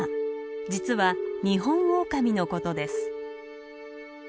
実はニホンオオカミのことです。